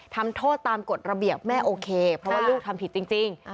ทำโทษตามกฎระเบียบแม่โอเคเพราะว่าลูกทำผิดจริง